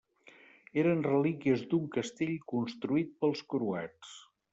Eren relíquies d'un castell construït pels croats.